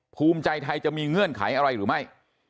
ภูมิใจไทยจะมีเงื่อนไขอะไรหรือไม่